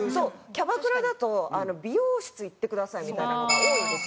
キャバクラだと美容室行ってくださいみたいなのが多いですよね。